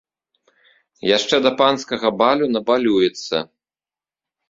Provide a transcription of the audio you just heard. Яшчэ да панскага балю набалюецца!